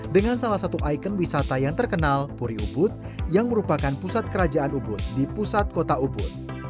dengan salah satu ikon wisata yang terkenal puri ubud yang merupakan pusat kerajaan ubud di pusat kota ubud